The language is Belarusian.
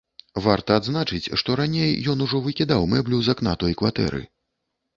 Варта адзначыць, што раней ён ужо выкідаў мэблю з акна той кватэры.